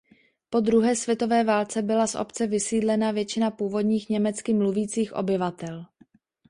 Po druhé světové válce byla z obce vysídlena většina původních německy mluvících obyvatel.